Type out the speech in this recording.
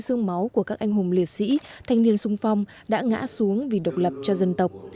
sương máu của các anh hùng liệt sĩ thanh niên sung phong đã ngã xuống vì độc lập cho dân tộc